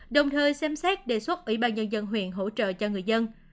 đồng thời xem xét đề xuất ủy ban nhân dân huyện hỗ trợ cho người dân